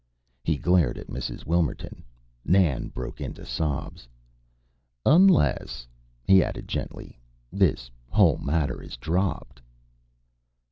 He glared at Mrs. Wilmerton. Nan broke into sobs. "Unless," he added gently, "this whole matter is dropped."